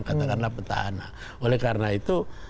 katakanlah petahana oleh karena itu